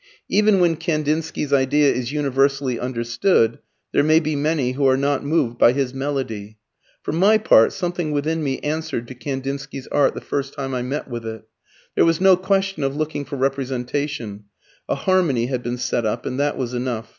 Even when Kandinsky's idea is universally understood there may be many who are not moved by his melody. For my part, something within me answered to Kandinsky's art the first time I met with it. There was no question of looking for representation; a harmony had been set up, and that was enough.